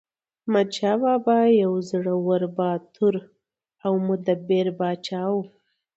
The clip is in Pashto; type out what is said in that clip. احمدشاه بابا یو زړور، باتور او مدبر پاچا و.